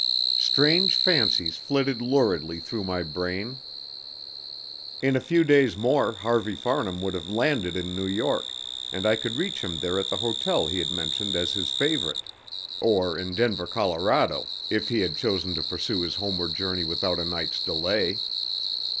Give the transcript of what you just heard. Strange fancies flitted luridly through my brain. In a few days more Harvey Farnham would have landed in New York, and I could reach him there at the hotel he had mentioned as his favourite; or in Denver, Colorado, if he had chosen to pursue his homeward journey without a night's delay.